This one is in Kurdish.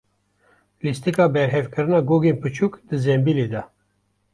Lîstika berhevkirina gogên biçûk di zembîlê de.